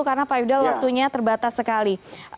karena pak ifdal waktunya terbatas sekali